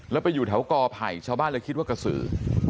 แล้วไปอยู่แถวกอไผ่ชาวบ้านเลยคิดว่ากระสือ